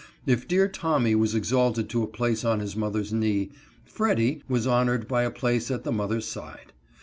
If dear Tommy was exalted » to a place on his mother's knee, " Freddy " was honored by a place at the mother's side.